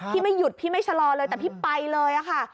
ไม่หยุดพี่ไม่ชะลอเลยแต่พี่ไปเลยค่ะ